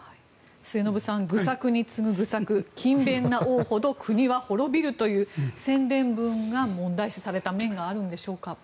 末延さん、愚策に次ぐ愚策勤勉な王ほど国は滅びるという宣伝文が問題視された面があるんでしょうか。